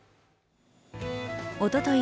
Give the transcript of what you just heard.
おととい